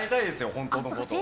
本当のこと。